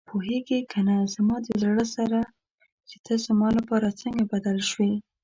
پوهېږې کنه زما د زړه سره چې ته زما لپاره څنګه بدل شوې.